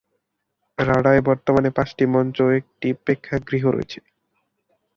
রাডায় বর্তমানে পাঁচটি মঞ্চ ও একটি প্রেক্ষাগৃহ রয়েছে।